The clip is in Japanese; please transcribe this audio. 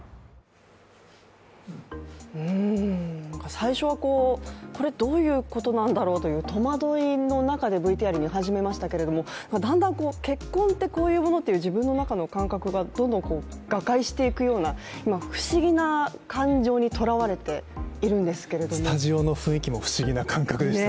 最初は、これどういうことなんだろうという戸惑いの中でＶＴＲを見始めましたけれどもだんだん結婚って、こういうものって、自分の中の感覚がどんどん瓦解していくような、不思議な感情にとらわれているんですけれどもスタジオの雰囲気も不思議な感覚でした。